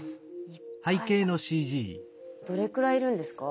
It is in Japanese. どれくらいいるんですか？